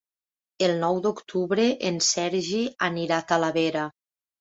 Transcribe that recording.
El nou d'octubre en Sergi anirà a Talavera.